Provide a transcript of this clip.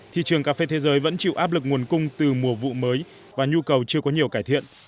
thị trường cà phê thế giới vẫn chịu áp lực nguồn cung từ mùa vụ mới và nhu cầu chưa có nhiều cải thiện